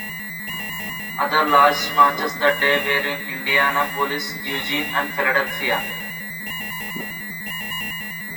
Other large marches that day were in Indianapolis, Eugene, and Philadelphia.